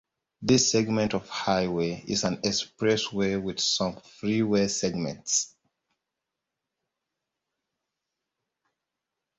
This segment of highway is an expressway with some freeway segments.